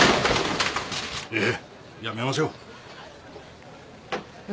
いややめましょう。